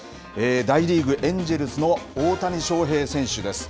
大リーグ・エンジェルスの大谷翔平選手です。